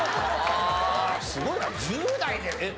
すごいな１０代でえっ？